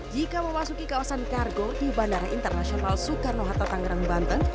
jika memasuki kawasan kargo di bandara internasional soekarno hatta tangerang banten